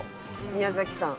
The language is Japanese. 宮嵜さん。